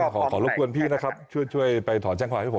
ขอรบกวนพี่นะครับช่วยไปถอนแจ้งความให้ผม